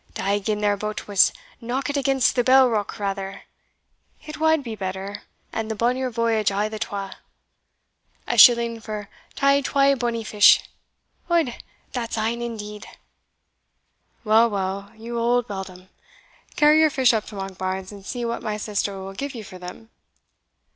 "Deil gin their boat were knockit against the Bell Rock rather! it wad be better, and the bonnier voyage o' the twa. A shilling for thae twa bonnie fish! Od, that's ane indeed!" "Well, well, you old beldam, carry your fish up to Monkbarns, and see what my sister will give you for them."